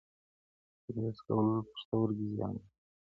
سګرېټ څکول پښتورګي زیانمنوي.